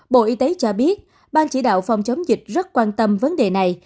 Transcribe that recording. bộ y tế cho biết bang chỉ đạo phòng chống dịch rất quan tâm vấn đề này